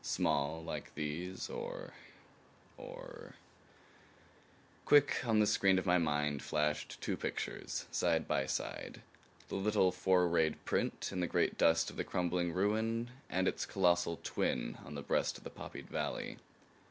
Small like these, or or Quick on the screen of my mind flashed two pictures, side by side the little four rayed print in the great dust of the crumbling ruin and its colossal twin on the breast of the poppied valley.